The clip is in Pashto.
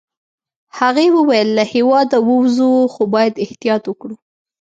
هغې وویل: له هیواده ووزو، خو باید احتیاط وکړو.